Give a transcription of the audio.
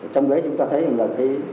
trong đấy chúng ta thấy là